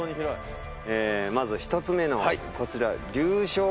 まず１つ目のこちら。